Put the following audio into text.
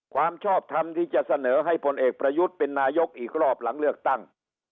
ความชอบทำที่จะเสนอให้พลเอกประยุทธ์เป็นนายกอีกรอบหลังเลือกตั้ง